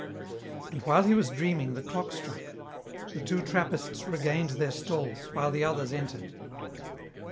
And while he was dreaming, the clock struck ; the two Trappists regained their stalls, while the others entered.